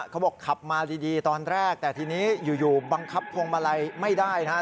เขาบอกขับมาดีตอนแรกแต่ทีนี้อยู่บังคับพวงมาลัยไม่ได้นะครับ